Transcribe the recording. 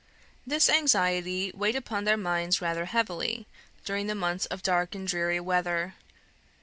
This anxiety weighed upon their minds rather heavily, during the months of dark and dreary weather.